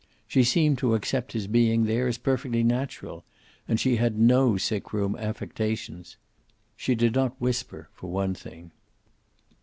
She seemed to accept his being there as perfectly natural, and she had no sick room affectations. She did not whisper, for one thing.